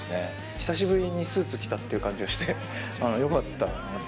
久しぶりにスーツ着たっていう感じがして、よかったかなって。